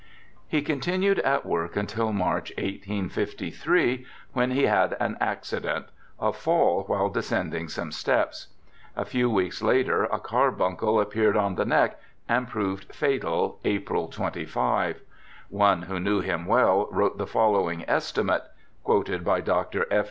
He continued at work until March, 1853, when he had an accident— a fall while descending some steps. A few weeks later a carbuncle appeared on the neck, and proved fatal, April 25. One who knew him well wrote the following estimate (quoted by Dr. F.